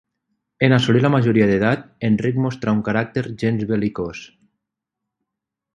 En assolir la majoria d'edat, Enric mostrà un caràcter gens bel·licós.